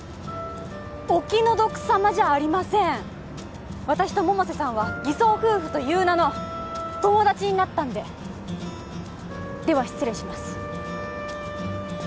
お気の毒さまじゃありません私と百瀬さんは偽装夫婦という名の友達になったんででは失礼します